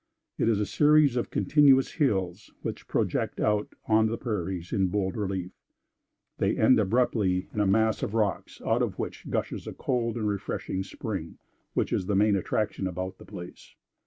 It is a series of continuous hills, which project out on the prairies in bold relief. They end abruptly in a mass of rocks, out of which gushes a cold and refreshing spring, which is the main attraction about the place.